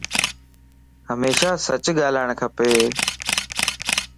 ھميشا سچ ڳالاڙ کپ